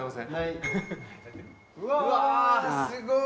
うわすごい！